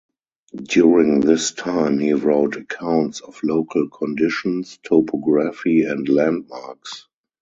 During this time, he wrote accounts of local conditions, topography and landmarks.